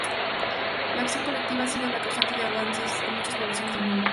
La acción colectiva ha sido la causante de avances en muchas poblaciones del mundo.